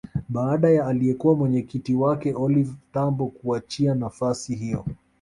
Baada ya aliyekuwa mwenyekiti wake Oliva Tambo kuachia nafasi hiyo